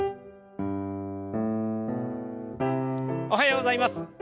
おはようございます。